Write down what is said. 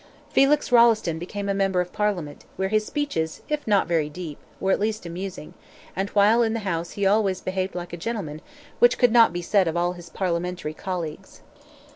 Felix Rolleston became a member of Parliament, where his speeches, if not very deep, were at least amusing; and while in the House he always behaved like a gentleman, which could not be said of all his Parliamentary colleagues.